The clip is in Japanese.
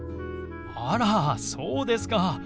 あらそうですか。